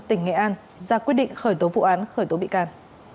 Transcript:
tỉnh nghệ an ra quyết định khởi tố vụ án khởi tố bị can